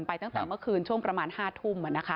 ตั้งแต่เมื่อคืนช่วงประมาณ๕ทุ่ม